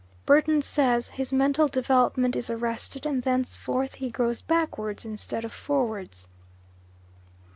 Burton says: "His mental development is arrested, and thenceforth he grows backwards instead of forwards."